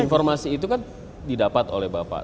informasi itu kan didapat oleh bapak